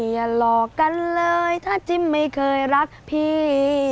อย่าหลอกกันเลยถ้าจิ้มไม่เคยรักพี่